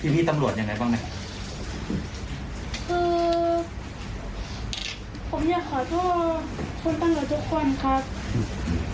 พี่ตำรวจยังไงบ้างนะ